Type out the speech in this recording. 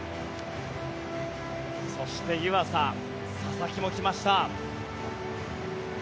そして湯浅、佐々木も来ました。